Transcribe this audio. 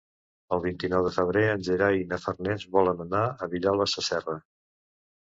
El vint-i-nou de febrer en Gerai i na Farners volen anar a Vilalba Sasserra.